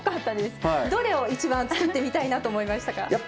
どれを一番作ってみたいなと思いましたか？